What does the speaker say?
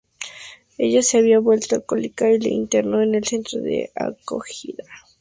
Ella se había vuelto alcohólica y le internó en un centro de acogida.